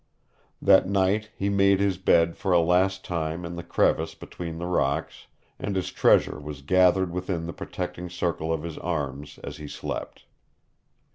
That night he made his bed for a last time in the crevice between the rocks, and his treasure was gathered within the protecting circle of his arms as he slept.